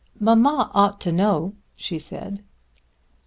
"Mamma ought to know," she said.